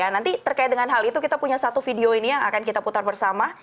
nanti terkait dengan hal itu kita punya satu video ini yang akan kita putar bersama